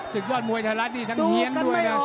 ยอดมวยไทยรัฐนี่ทั้งเฮียนด้วยนะ